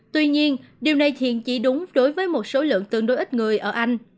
tuy nhiên điều này thiện chỉ đúng đối với một số lượng tương đối ít người ở anh